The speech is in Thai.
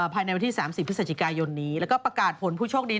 ภายในวันที่๓๐พฤศจิกายนนี้แล้วก็ประกาศผลผู้โชคดี